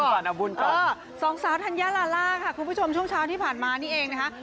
ก่อนจะพักพักต่อสองสาวธัญญาลาลาค่ะช่วงเช้าที่ผ่านมานี่เองนะครับ